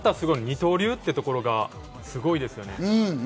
またすごいのは二刀流というところがすごいですよね。